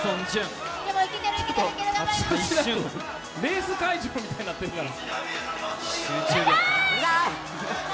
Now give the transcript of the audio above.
レース会場みたいになってるから。